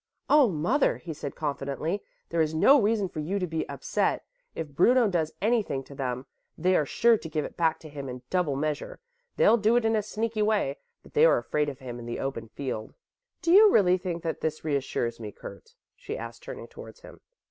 "Oh, mother," he said confidently, "there is no reason for you to be upset. If Bruno does anything to them, they are sure to give it back to him in double measure. They'll do it in a sneaky way, because they are afraid of him in the open field." "Do you really think that this reassures me, Kurt?" she asked turning towards him.